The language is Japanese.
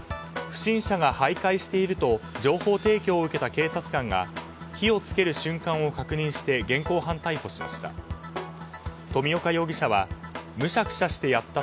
不審者が徘徊していると情報提供を受けた警察官が火を付ける瞬間を確認して現行犯逮捕しました。